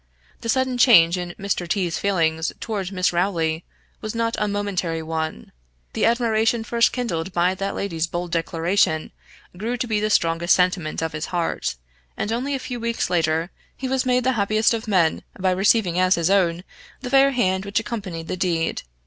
The sudden change in Mr. T 's feelings toward Miss Rowley was not a momentary one; the admiration first kindled by that lady's bold declaration, grew to be the strongest sentiment of his heart, and only a few weeks later he was made the happiest of men by receiving as his own the fair hand which accomplished the deed.